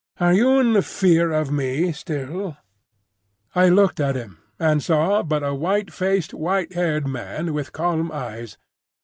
Are you in fear of me still?" I looked at him, and saw but a white faced, white haired man, with calm eyes.